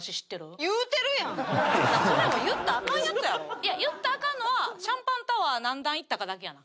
いや言ったらアカンのはシャンパンタワー何段いったかだけやな。